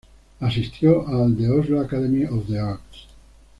Asistió al "The Oslo Academy of the Arts".